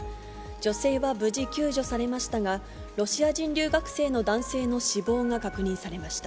女性は無事、救助されましたが、ロシア人留学生の男性の死亡が確認されました。